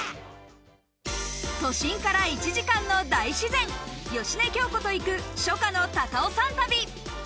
都心から１時間の大自然、芳根京子と行く初夏の高尾山旅。